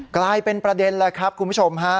กลายเป็นประเด็นแล้วครับคุณผู้ชมฮะ